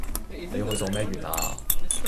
你許咗咩願啊？